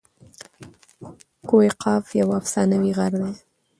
کوه قاف یو افسانوي غر دئ.